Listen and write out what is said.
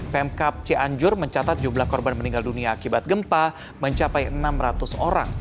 pemkap cianjur mencatat jumlah korban meninggal dunia akibat gempa mencapai enam ratus orang